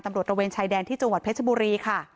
ตะเวนชายแดนที่จังหวัดเพชรบุรีค่ะ